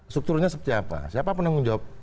strukturnya seperti apa siapa penanggung jawab